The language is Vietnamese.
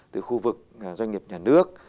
từ khu vực doanh nghiệp nhà nước